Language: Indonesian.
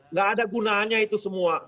nggak ada gunanya itu semua